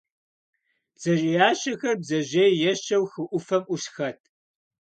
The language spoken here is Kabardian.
Бдзэжьеящэхэр бдзэжьей ещэу хы Ӏуфэм Ӏусхэт.